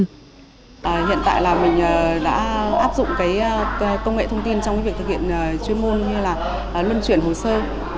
hiện tại là mình đã áp dụng cái công nghệ thông tin trong cái việc thực hiện chuyên môn như là luân chuyển hồ sơ